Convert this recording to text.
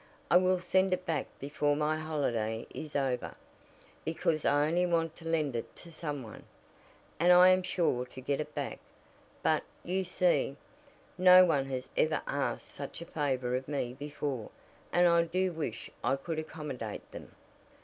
I will send it back before my holiday is over, because I only want to lend it to some one, and I am sure to get it back. But, you see, no one has ever asked such a favor of me before, and I do wish I could accommodate them.